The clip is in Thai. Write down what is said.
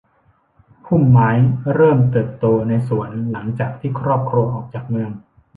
พุ่มไม้เริ่มเติบโตในสวนหลังจากที่ครอบครัวออกจากเมือง